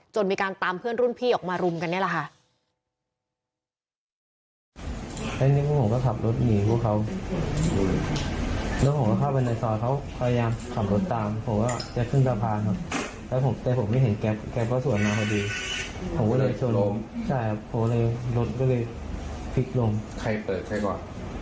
มีการตามเพื่อนรุ่นพี่ออกมารุมกันนี่แหละค่ะ